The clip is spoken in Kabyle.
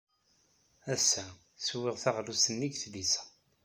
Ass-a, swiɣ taɣlust nnig tlisa.